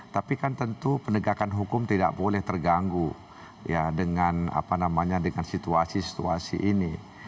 tapi kan tentu penegakan hukum tidak boleh terganggu dengan situasi situasi ini